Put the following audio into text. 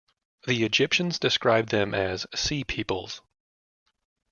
The Egyptians described them as Sea Peoples.